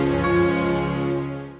mami aku aja yang buka